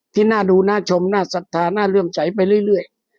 ที่น่าดูน่าชมน่าศรัทธาน่าเลื่อมใสไปเรื่อย